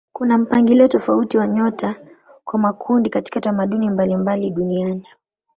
Kuna mpangilio tofauti wa nyota kwa makundi katika tamaduni mbalimbali duniani.